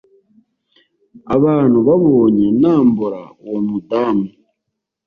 abantu babonye nambura uwo mudamu